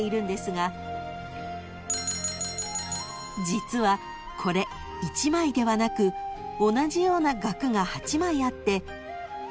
［実はこれ１枚ではなく同じような額が８枚あって］